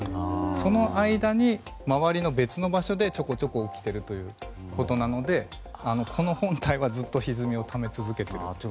その間に周りの別の場所でちょこちょこ起きているということなのでこの本体は、ずっとひずみをため続けていると。